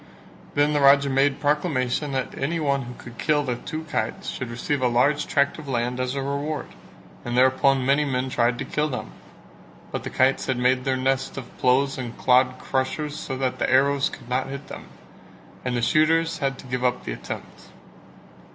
Then the Raja made proclamation that any one who could kill the two kites should receive a large tract of land as a reward, and thereupon many men tried to kill them; but the kites had made their nest of ploughs and clod crushers so that the arrows could not hit them, and the shooters had to give up the attempt.